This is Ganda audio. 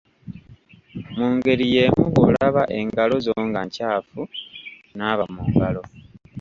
Mu ngeri y’emu bw’olaba engalo zo nga nkyafu, naaba mu ngalo.